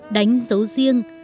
đánh dấu riêng